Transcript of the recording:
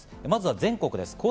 まずは全国です。